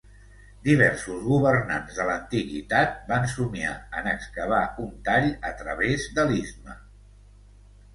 Diversos governants de l'antiguitat van somiar en excavar un tall a través de l'istme.